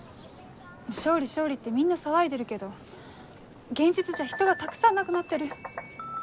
勝利勝利ってみんな騒いでるけど現実じゃ人がたくさん亡くなってる。